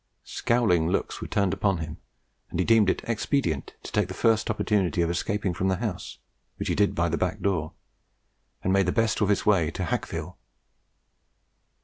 Scowling looks were turned upon him, and he deemed it expedient to take the first opportunity of escaping from the house, which he did by a back door, and made the best of his way to Hacqueville.